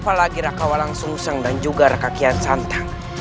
apalagi rakawalang sungseng dan juga rakakian santang